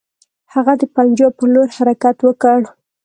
هغه د پنجاب پر لور حرکت وکړ.